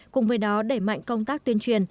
cùng với đó đẩy mạnh công tác tuyên truyền